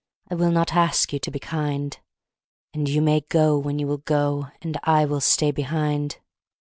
I will not ask you to be kind. And you may go when you will go, And I will stay behind.